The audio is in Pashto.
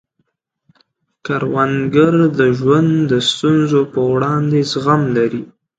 کروندګر د ژوند د ستونزو په وړاندې زغم لري